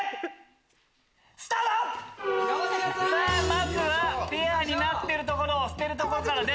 まずはペアになってるところを捨てるとこからです。